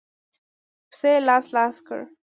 پسه يې لاس لاس کړ.